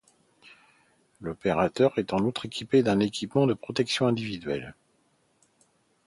L'opérateur est en outre équipé d'un équipement de protection individuel.